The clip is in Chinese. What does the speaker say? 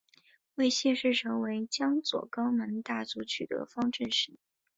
为谢氏成为江左高门大族取得方镇实力。